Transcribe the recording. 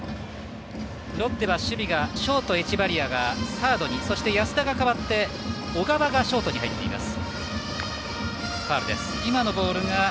ロッテショート、エチェバリアサードに安田がかわって小川がショートに入っています。